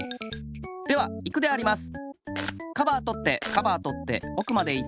ではいくであります。